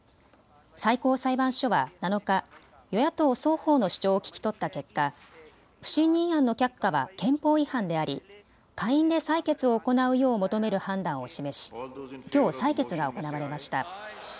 最高裁判所は７日、与野党双方の主張を聞き取った結果、不信任案の却下は憲法違反であり下院で採決を行うよう求める判断を示しきょう採決が行われました。